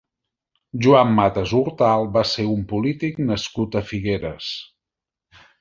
Joan Matas Hortal va ser un polític nascut a Figueres.